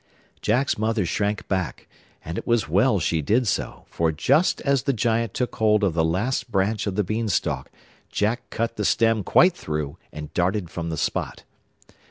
Jack's mother shrank back, and it was well she did so, for just as the Giant took hold of the last branch of the Beanstalk, Jack cut the stem quite through and darted from the spot.